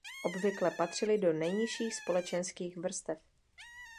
Obvykle patřili do nejnižších společenských vrstev.